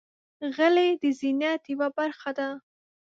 غلۍ د زینت یوه برخه ده.